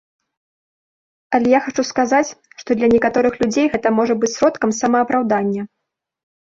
Але я хачу сказаць, што для некаторых людзей гэта можа быць сродкам самаапраўдання.